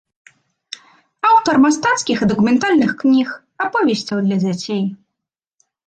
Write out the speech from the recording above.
Аўтар мастацкіх і дакументальных кніг, аповесцяў для дзяцей.